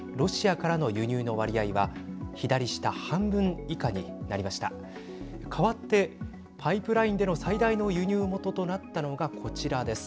かわってパイプラインでの最大の輸入元となったのがこちらです。